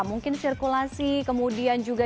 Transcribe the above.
mungkin sirkulasi kemudian juga